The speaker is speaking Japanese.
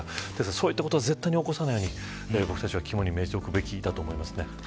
そういうことを絶対に起こさないように僕たちは、肝に銘じておくべきだ